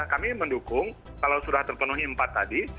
kami mendukung kalau sudah terpenuhi empat tadi